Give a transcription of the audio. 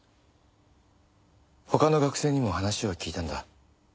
他の学生にも話を聞いたんだ。